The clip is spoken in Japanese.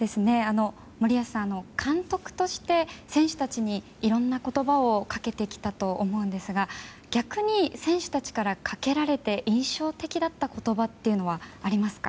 森保さん監督として選手たちにいろんな言葉をかけてきたと思うんですが逆に選手たちからかけられて印象的だった言葉というのはありますか？